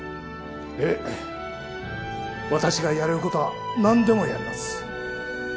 ええ、私がやれることは何でもやります。